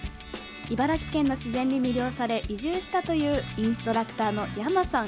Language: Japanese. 茨城県の自然に魅了され移住したというインストラクターの山さん。